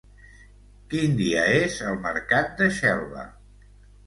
Quin dia és el mercat de Xelva?